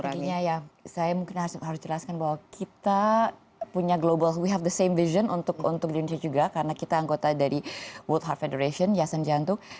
strateginya ya saya mungkin harus jelaskan bahwa kita punya global we have the same vision untuk di indonesia juga karena kita anggota dari world heart federation yasen jantung